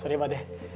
sorry pak deh